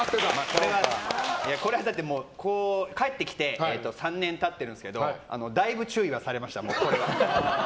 これはだって、帰ってきて３年経ってるんですけどだいぶ注意はされました、これは。